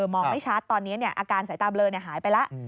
มองไม่ชัดตอนนี้อาการสายตาเบลอหายไปแล้ว